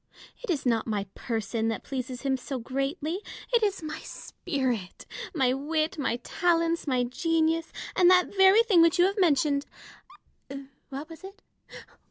It is not my person that pleases him so greatly : it is my spirit, my wit, my talents, my genius, and that very thing which you have mentioned — what was it